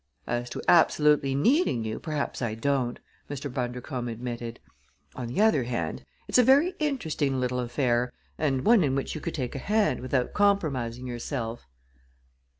"As to absolutely needing you, perhaps I don't," Mr. Bundercombe admitted. "On the other hand, it's a very interesting little affair, and one in which you could take a hand without compromising yourself."